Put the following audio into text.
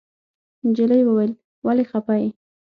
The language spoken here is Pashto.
نجلۍ وويل ولې خپه يې.